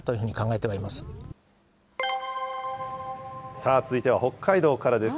さあ、続いては北海道からです。